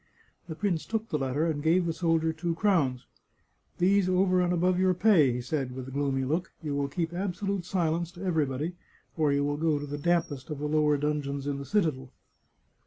" The prince took the letter and gave the soldier two crowns. " These over and above your pay," he said, with a gloomy look. " You will keep absolute silence to every body, or you will go to the dampest of the lower dungeons in the citadel."